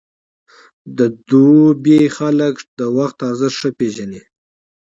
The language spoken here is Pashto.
د دوبی خلک د وخت ارزښت ښه پېژني.